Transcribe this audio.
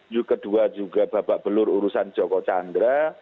juga kedua juga bapak belur urusan joko candra